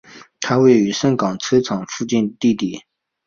它位于盛港车厂附近地底。